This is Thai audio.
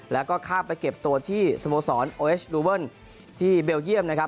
แล้วก็ข้ามไปเก็บตัวที่สโมสรโอเอชลูเวิลที่เบลเยี่ยมนะครับ